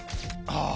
ああ。